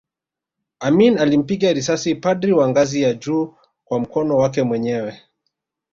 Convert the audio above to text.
Amin alimpiga risasi padri wa ngazi ya juu kwa mkono wake mwenyewe